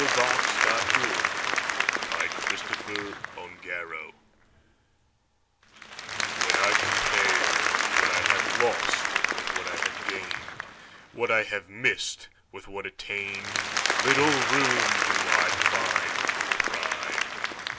Henry Wadsworth Longfellow Loss and Gain WHEN I compare What I have lost with what I have gained, What I have missed with what attained, Little room do I find for pride.